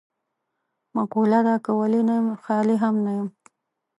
مقوله ده: که ولي نه یم خالي هم نه یم.